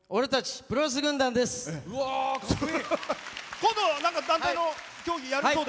今度、団体の競技するそうで。